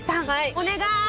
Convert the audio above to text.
お願い！